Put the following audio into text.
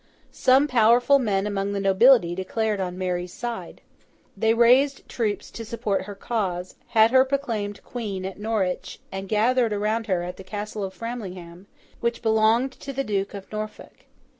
Some powerful men among the nobility declared on Mary's side. They raised troops to support her cause, had her proclaimed Queen at Norwich, and gathered around her at the castle of Framlingham, which belonged to the Duke of Norfolk.